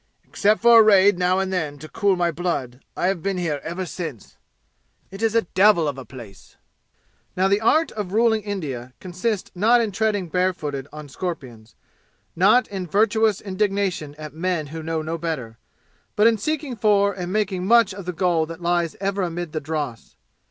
Except for a raid now and then to cool my blood I have been here ever since. It is a devil of a place." Now the art of ruling India consists not in treading barefooted on scorpions not in virtuous indignation at men who know no better but in seeking for and making much of the gold that lies ever amid the dross.